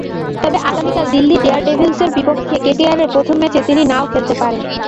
তবে আগামীকাল দিল্লি ডেয়ারডেভিলসের বিপক্ষে কেকেআরের প্রথম ম্যাচে তিনি না-ও খেলতে পারেন।